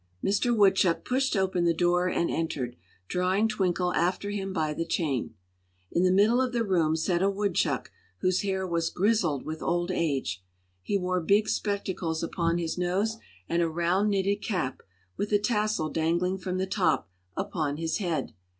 Mister Woodchuck pushed open the door and entered, drawing Tinkle after him by the chain. In the middle of the room sat a woodchuck whose hair was grizzled with old age. He wore big spectacles upon his nose, and a round knitted cap, with a tassel dangling from the top, upon his head.